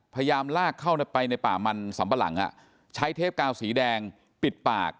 พยายามลากเข้าไปในป่ามันสำปะหลังใช้เทปกาวสีแดงปิดปาก